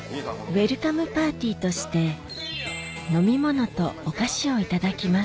ウエルカムパーティーとして飲み物とお菓子をいただきます